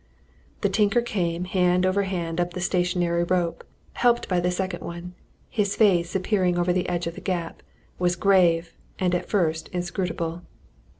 The tinker came hand over hand up the stationary rope, helped by the second one: his face, appearing over the edge of the gap, was grave and at first inscrutable.